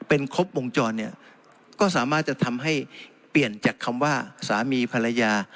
เป็นครบวงจรเนี่ยก็สามารถจะทำให้เปลี่ยนจากคำว่าสามีภรรยา